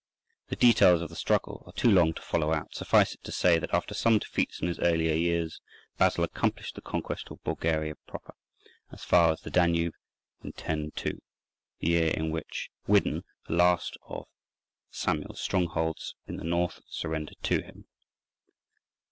The details of the struggle are too long to follow out: suffice it to say that after some defeats in his earlier years, Basil accomplished the conquest of Bulgaria proper, as far as the Danube, in 1002, the year in which Widdin, the last of Samuel's strongholds in the North surrendered to him.